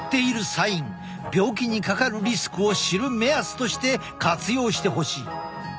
病気にかかるリスクを知る目安として活用してほしい。